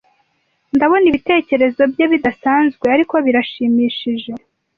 Ndabona ibitekerezo bye bidasanzwe ariko birashimishije.